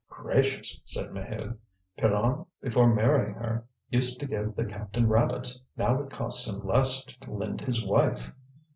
"Gracious!" said Maheude; "Pierron, before marrying her, used to give the captain rabbits; now it costs him less to lend his wife."